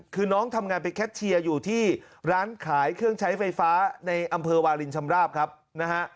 คือน้องทำงานไปแคทเชียร์อยู่ที่ร้านขายเครื่องใช้ไฟฟ้าในอำเภอวาลินชำราบครับนะฮะ